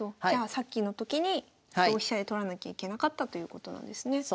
じゃあさっきの時に同飛車で取らなきゃいけなかったということなんですね。